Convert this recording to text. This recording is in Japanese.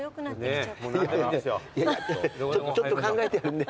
ちょっと考えてるんで。